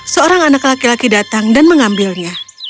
seorang anak laki laki datang dan mengambilnya